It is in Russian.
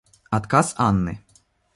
Отказ Анны.